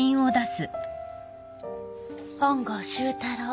本郷周太郎。